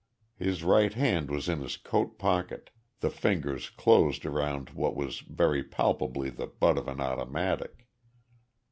His right hand was in his coat pocket, the fingers closed around what was very palpably the butt of an automatic.